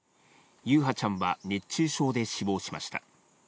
優陽ちゃんは熱中症で死亡しました。